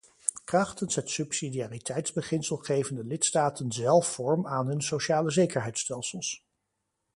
Krachtens het subsidiariteitsbeginsel geven de lidstaten zelf vorm aan hun socialezekerheidsstelsels.